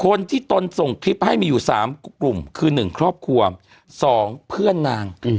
คนที่ตนส่งคลิปให้มีอยู่สามกลุ่มคือหนึ่งครอบครัวสองเพื่อนนางอืม